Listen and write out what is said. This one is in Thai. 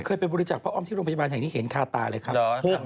เคยไปบริจักษ์พระอ้อมที่โรงพยาบาลแห่งนี้เห็นคาตาเลยครับ